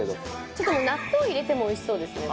ちょっと納豆入れてもおいしそうですね。